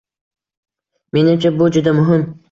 Menimcha, bu juda muhim.